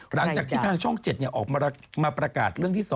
หลังจากที่ทางช่อง๗ออกมาประกาศเรื่องที่๒